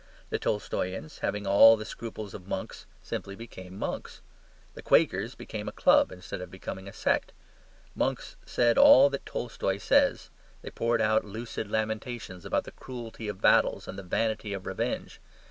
The Tolstoyans, having all the scruples of monks, simply became monks. The Quakers became a club instead of becoming a sect. Monks said all that Tolstoy says; they poured out lucid lamentations about the cruelty of battles and the vanity of revenge.